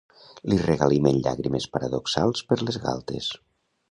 Li regalimen llàgrimes paradoxals per les galtes.